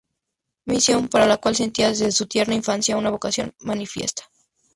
Misión para la cual sentía desde su tierna infancia una vocación manifiesta.